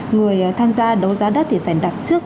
người tham gia đấu giá đất thì phải đặt trước